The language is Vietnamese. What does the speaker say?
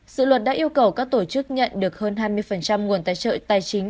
dự luật đã yêu cầu các tổ chức nhận được hơn hai mươi nguồn tài trợ tài chính